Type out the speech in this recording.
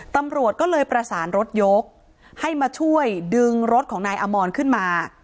ตำรวจก็เลยประสานรถยกให้มาช่วยดึงรถของนายอมรขึ้นมา